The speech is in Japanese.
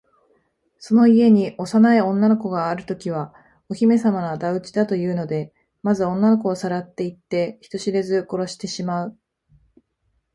その家に幼い女の子があるときは、お姫さまのあだ討ちだというので、まず女の子をさらっていって、人知れず殺してしまう。